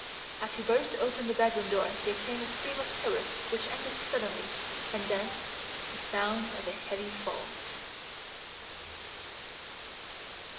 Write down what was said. As he burst open the bedroom door there came a scream of terror which ended suddenly, and then the sound of a heavy fall.